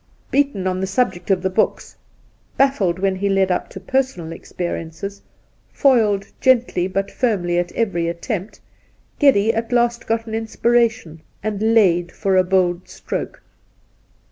Beaten on the subject of the books, baffled when he led up to personal experiences, foiled gently but firmly at every attempt, Geddy at last got an inspiration and laid for a bold stroke.